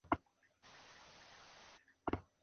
Y nunca se repuso de este fracaso.